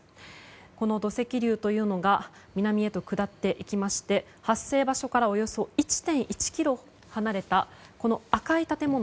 この土石流というのが南へと下っていきまして発生場所からおよそ１．１ｋｍ離れた赤い建物。